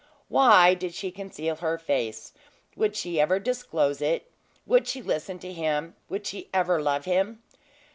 Why did she conceal her face would she ever disclose it would she listen to him would she ever love him?